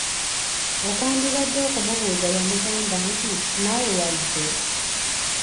Okwandibadde okumubuuza yamugamba nti:"naawe wazze?"